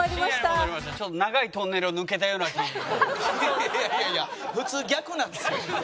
いやいやいやいや普通逆なんですよ。